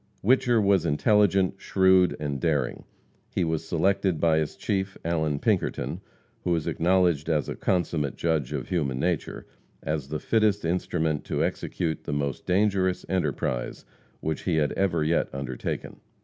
Whicher was intelligent, shrewd and daring. He was selected by his chief, Allan Pinkerton, who is acknowledged as a consummate judge of human nature, as the fittest instrument to execute the most dangerous enterprise which he had ever yet undertaken.